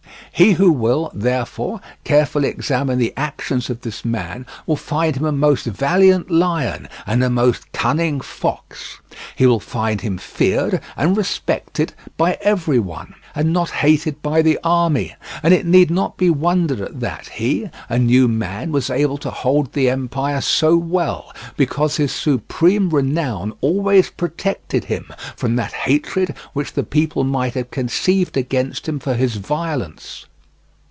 He who will, therefore, carefully examine the actions of this man will find him a most valiant lion and a most cunning fox; he will find him feared and respected by every one, and not hated by the army; and it need not be wondered at that he, a new man, was able to hold the empire so well, because his supreme renown always protected him from that hatred which the people might have conceived against him for his violence.